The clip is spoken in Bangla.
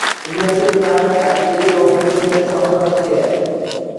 রিয়াজ উদ্দিন আহমেদ আইনজীবী ও মুক্তিযুদ্ধের সংগঠক ছিলেন।